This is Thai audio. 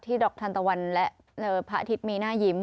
ดอกทันตะวันและพระอาทิตย์มีหน้ายิ้ม